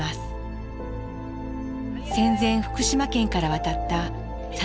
戦前福島県から渡ったさ